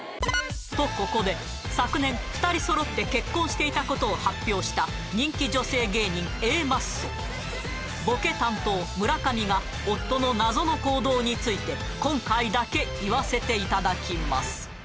とここで昨年２人揃って結婚していたことを発表した人気女性芸人Ａマッソボケ担当・村上が夫の謎の行動について今回だけ言わせていただきます